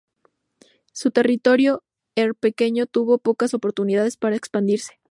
Su territorio er pequeño y tuvo pocas oportunidades para expandirse.